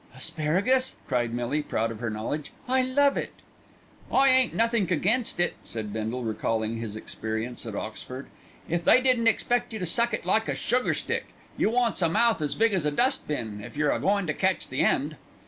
"Asparagus," cried Millie, proud of her knowledge, "I love it." "I ain't nothink against it," said Bindle, recalling his experience at Oxford, "if they didn't expect you to suck it like a sugar stick. You wants a mouth as big as a dustbin, if you're a goin' to catch the end."